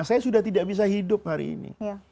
saya sudah tidak bisa hidup hari ini